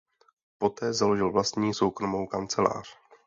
Poté založil vlastní soukromou kancelář.